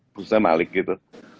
khususnya malik gitu